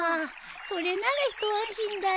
それならひと安心だよ。